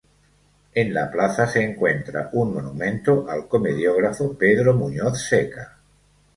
En la plaza se encuentra un monumento al comediógrafo Pedro Muñoz Seca.